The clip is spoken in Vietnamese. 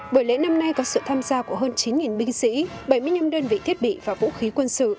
buổi lễ năm nay có sự tham gia của hơn chín binh sĩ bảy mươi năm đơn vị thiết bị và vũ khí quân sự